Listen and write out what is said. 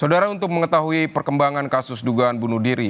saudara untuk mengetahui perkembangan kasus dugaan bunuh diri